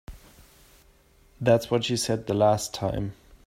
That's what she said the last time.